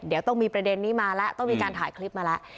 เดี๋ยวต้องมีประเด็นนี้มาแล้วต้องมีการถ่ายคลิปมาแล้ว